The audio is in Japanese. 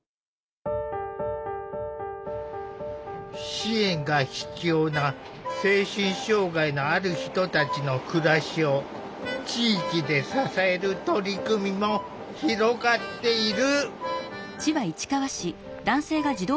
支援が必要な精神障害のある人たちの暮らしを地域で支える取り組みも広がっている。